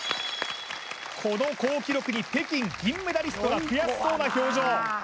この好記録に北京銀メダリストが悔しそうな表情Ｙｅａｈ